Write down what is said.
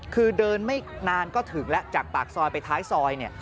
คือเดินไม่นานก็ถึงแล้วจากปากซอยไปท้ายซอยเนี่ย